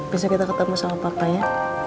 bisa kita ketemu sama partai ya